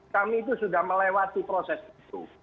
kami itu sudah melewati proses itu